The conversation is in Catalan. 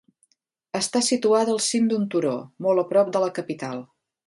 Està situada al cim d'un turó, molt a prop de la capital.